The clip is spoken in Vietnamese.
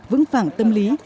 vững phẳng tâm lý